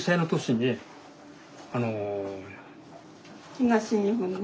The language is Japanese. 東日本ね。